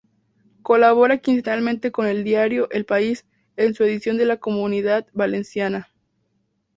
Colabora quincenalmente con el Diario El País, en su edición de la Comunidad Valenciana.